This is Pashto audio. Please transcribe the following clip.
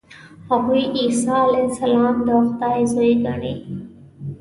هغوی عیسی علیه السلام د خدای زوی ګڼي.